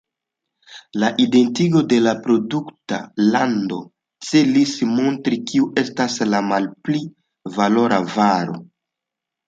La identigo de la produkta lando celis montri kiu estas la malpli valora varo.